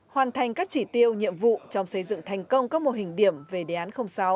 hoàn thành các chỉ tiêu nhiệm vụ trong xây dựng thành công các mô hình điểm về đề án sáu